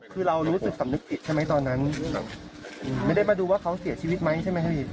คือเรารู้สึกสำนึกผิดใช่ไหมตอนนั้นไม่ได้มาดูว่าเขาเสียชีวิตไหมใช่ไหมครับพี่